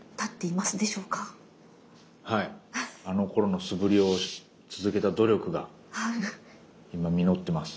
あのころの素振りを続けた努力が今実ってます。